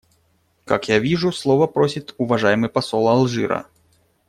Как я вижу, слова просит уважаемый посол Алжира.